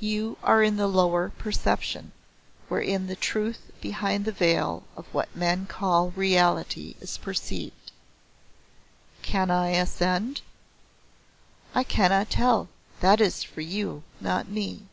You are in the Lower Perception, wherein the truth behind the veil of what men call Reality is perceived." "Can I ascend?" "I cannot tell. That is for you, not me.